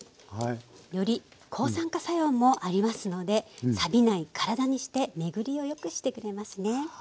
より抗酸化作用もありますのでさびない体にして巡りをよくしてくれますね。